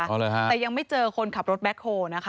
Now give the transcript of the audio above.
เอาเลยฮะแต่ยังไม่เจอคนขับรถแบ็คโฮลนะคะ